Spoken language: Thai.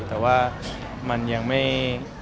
แต่ว่ามันยังไม่